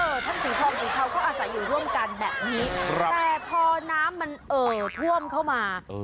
ท่านสีทองเองเขาก็อาศัยอยู่ร่วมกันแบบนี้แต่พอน้ำมันเอ่อท่วมเข้ามา